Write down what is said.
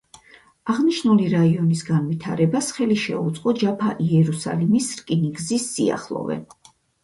აღნიშნული რაიონის განვითარებას ხელი შეუწყო ჯაფა–იერუსალიმის რკინიგზის სიახლოვემ.